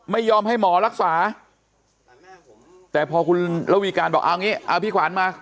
ไม่ยอมให้หมอรักษาแต่พอคุณระวีการบอกเอางี้เอาพี่ขวัญมา